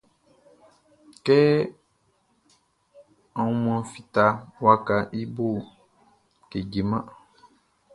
Kɛ aunmuanʼn fitaʼn, wakaʼn i boʼn kejeman.